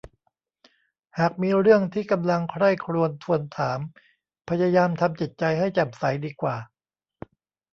หากมีเรื่องที่กำลังใคร่ครวญทวนถามพยายามทำจิตใจให้แจ่มใสดีกว่า